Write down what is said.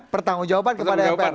pertanggung jawaban kepada mpr